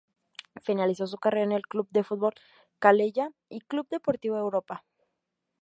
Finalizó su carrera en el Club de Futbol Calella y el Club Deportivo Europa.